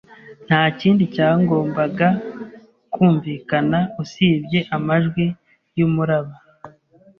Ntakindi cyagombaga kumvikana usibye amajwi yumuraba.